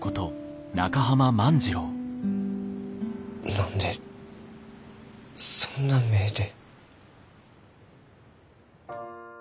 何でそんな目で。